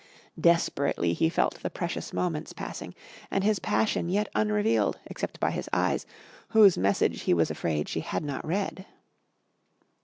Desperately he felt the precious moments passing and his passion yet unrevealed, except by his eyes, whose message he was afraid she had not read.